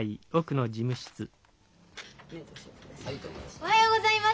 おはようございます！